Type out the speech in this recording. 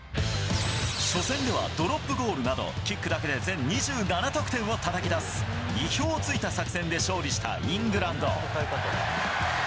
初戦ではドロップゴールなど、キックだけで全２７得点をたたき出す意表を突いた作戦で勝利したイングランド。